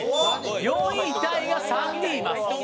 ４位タイが３人います。